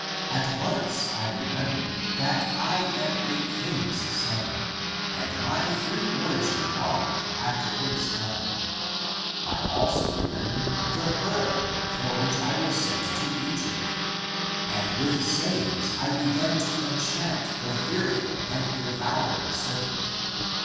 At once I remembered that I am a king's son, And my free origin longed after its kind, I also remembered the pearl. For which I was sent to Egypt ; And with sayings I began <to enchant > The fearful <and devouring > serpent.